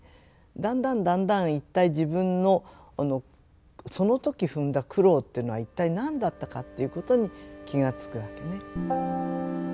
だんだんだんだん一体自分のその時踏んだ苦労っていうのは一体何だったかということに気が付くわけね。